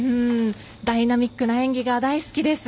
ダイナミックな演技が大好きです。